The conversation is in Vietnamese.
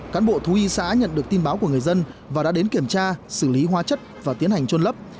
cán bộ thú y xã nhận được tin báo của người dân và đã đến kiểm tra xử lý hóa chất và tiến hành trôn lấp